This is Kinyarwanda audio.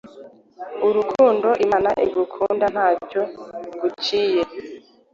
urukundo Imana igukunda ntacyo iguciye.